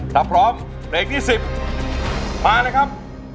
ถ้าพร้อมเพลงที่๑๐มาเลยครับ